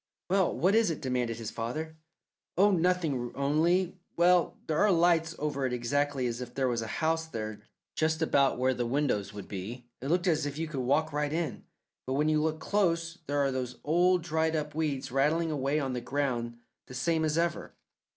"Well, what is it?" demanded his father. "Oh, nothing, only well, there are lights over it exactly as if there was a house there, just about where the windows would be. It looked as if you could walk right in, but when you look close there are those old dried up weeds rattling away on the ground the same as ever.